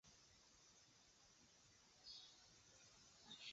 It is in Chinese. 千岁是东京都墨田区的町名。